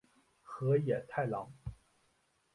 河野太郎。